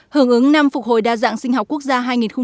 hưởng ứng năm phục hồi đa dạng sinh học quốc gia hai nghìn hai mươi